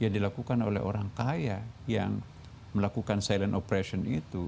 dilakukan oleh orang kaya yang melakukan silent operation itu